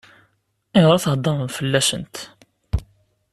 Ayɣer i theddṛem fell-asent?